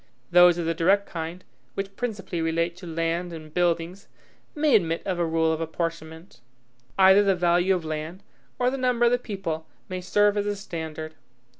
Those of the direct kind, which principally relate to land and buildings, may admit of a rule of apportionment. Either the value of land, or the number of the people, may serve as a standard.